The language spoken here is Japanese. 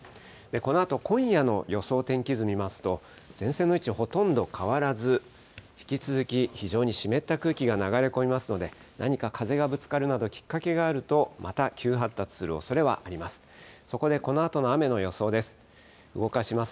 このあと今夜の予想天気図見ますと、前線の位置、ほとんど変わらず、引き続き非常に湿った空気が流れ込みますので、何か風がぶつかるなど、きっかけがあると、また急発達するおそれはあります。